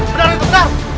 benar itu kak